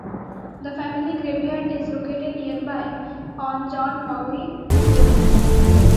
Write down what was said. The family graveyard is located nearby on John Mowry Road.